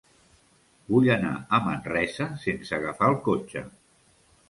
Vull anar a Manresa sense agafar el cotxe.